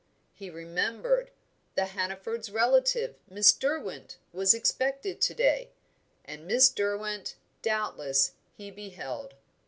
He remembered. The Hannafords' relative, Miss Derwent, was expected to day; and Miss Derwent, doubtless, he beheld.